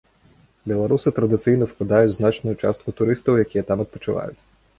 Беларусы традыцыйна складаюць значную частку турыстаў, якія там адпачываюць.